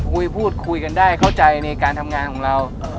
พูดคุยกันได้เข้าใจในการทำงานของเรา